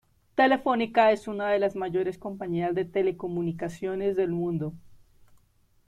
Telefónica es una de las mayores compañías de telecomunicaciones del mundo.